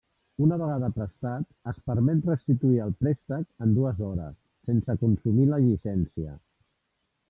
Una vegada prestat, es permet restituir el préstec en dues hores, sense consumir la llicència.